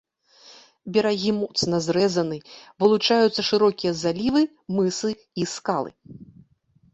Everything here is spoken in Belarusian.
Берагі моцна зрэзаны, вылучаюцца шырокія залівы, мысы і скалы.